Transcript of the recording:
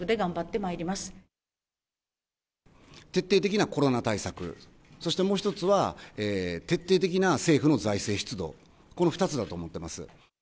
ま徹底的なコロナ対策、そしてもう一つは、徹底的な政府の財政出動、この２つだと思ってます。